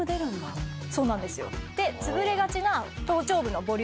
そうなんですよ。